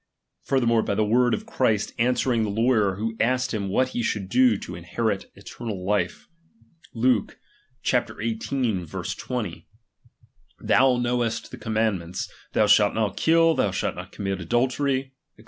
Furthermore, by the words of Christ, answering the lawyer who asked him what he should do to inherit eternal life (Luke xviii. 20) : T/lou Imowest the commandments : Thou shall not kill, thou shalt not commit adultery, &c.